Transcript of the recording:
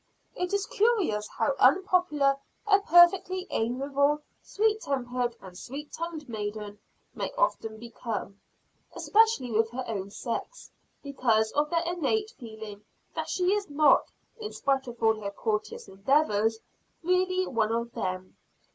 It is curious how unpopular a perfectly amiable, sweet tempered and sweet tongued maiden may often become, especially with her own sex, because of their innate feeling that she is not, in spite of all her courteous endeavors, really one of them.